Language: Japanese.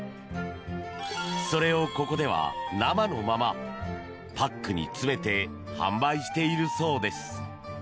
それを、ここでは生のままパックに詰めて販売しているそうです。